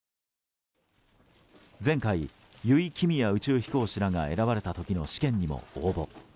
前回、油井亀美也宇宙飛行士らが選ばれた時の試験にも応募。